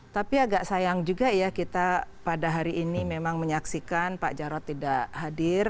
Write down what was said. tapi agak sayang juga ya kita pada hari ini memang menyaksikan pak jarod tidak hadir